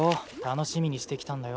楽しみにしてきたんだよ。